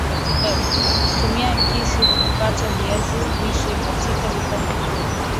Tumia kisu kukata viazi lishe katika vipande vidogo vidogo